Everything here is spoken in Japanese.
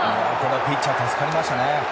ピッチャー助かりましたね。